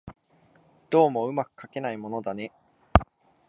どうも巧くかけないものだね